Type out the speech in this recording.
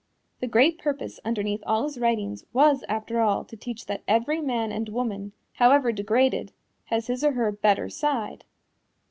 The great purpose underneath all his writings was after all to teach that every man and woman, however degraded, has his or her better side.